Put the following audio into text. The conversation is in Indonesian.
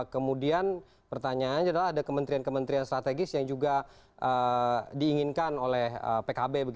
kemudian pertanyaannya adalah ada kementerian kementerian strategis yang juga diinginkan oleh pkb